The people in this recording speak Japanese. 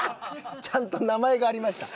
ちゃんと名前がありました。